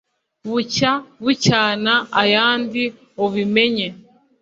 bucya bucyana ayandi ubimenye